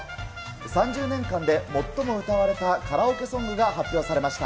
３０年間で最も歌われたカラオケソングが発表されました。